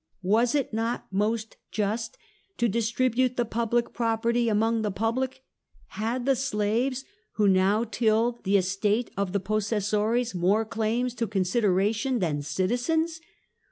"Was it not most just to distribute the public property among the public ? Had the slaves who now tilled the estate of the possessor cs more claims to consideration than citizens?